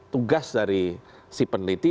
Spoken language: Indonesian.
tugas dari si peneliti